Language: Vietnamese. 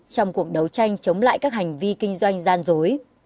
trong cuộc đấu tranh chống lại các hành vi kinh doanh gian dối